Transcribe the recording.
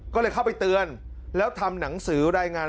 ก็เลยเข้าไปเตือนแล้วทำหนังสือรายงาน